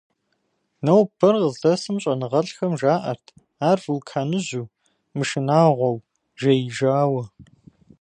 Нобэр къыздэсым щӏэныгъэлӏхэм жаӏэрт ар вулканыжьу, мышынагъуэу, «жеижауэ».